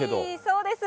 そうです。